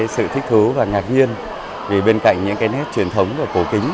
sự thích thú và ngạc nhiên vì bên cạnh những nét truyền thống và cổ kính